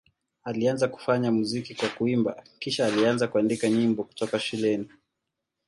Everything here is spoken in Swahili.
Alianza kufanya muziki kwa kuimba, kisha alianza kuandika nyimbo kutoka shuleni.